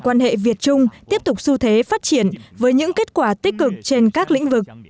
quan hệ việt trung tiếp tục xu thế phát triển với những kết quả tích cực trên các lĩnh vực